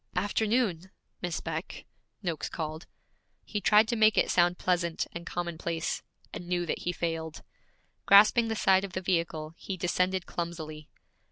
'Afternoon, Miss Beck,' Noakes called. He tried to make it sound pleasant and commonplace, and knew that he failed. Grasping the side of the vehicle, he descended clumsily.